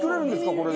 これで。